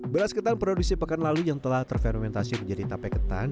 beras ketan produksi pekan lalu yang telah terfermentasi menjadi tape ketan